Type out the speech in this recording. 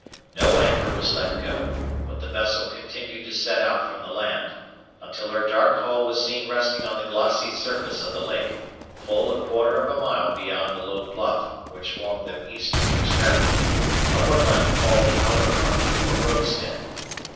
No anchor was let go, but the vessel continued to set off from the land, until her dark hull was seen resting on the glossy surface of the lake, full a quarter of a mile beyond the low bluff which formed the eastern extremity of what might be called the outer harbor or roadstead.